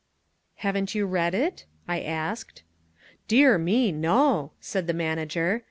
"Haven't you read it?" I asked. "Dear me, no!" said the manager.